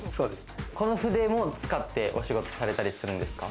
この筆も使ってお仕事されたりするんですか？